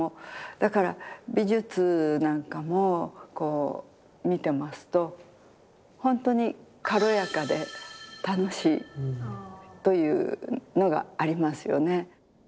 だから美術なんかもこう見てますと本当に軽やかで楽しいというのがありますよね。